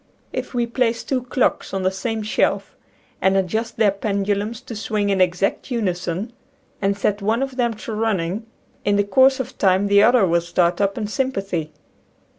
If we place two clocks on the same shelf and adjust their pendulums to swing in exact unison and set one of them to running, in the course of time the other will start up in sym pathy.